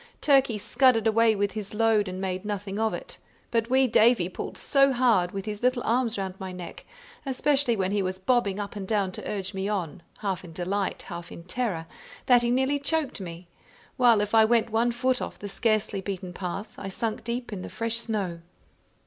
Turkey scudded away with his load, and made nothing of it; but wee Davie pulled so hard with his little arms round my neck, especially when he was bobbing up and down to urge me on, half in delight, half in terror, that he nearly choked me; while if I went one foot off the scarcely beaten path, I sunk deep in the fresh snow.